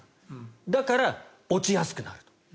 だから、落ちやすくなる。